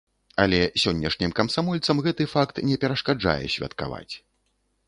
Але сённяшнім камсамольцам гэты факт не перашкаджае святкаваць.